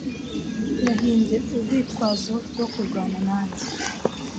Yahimbye urwitwazo rwo kurwana nanjye.